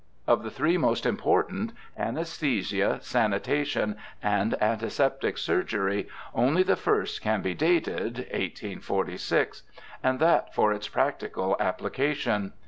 Of the three most important, anaesthesia, sanitation, and antiseptic surgery, only the first can be dated (1846) ; and that for its practical application.